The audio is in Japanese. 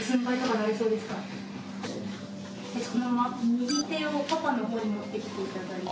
右手をパパのほうに持ってきていただいて。